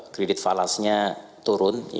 kredit falasnya turun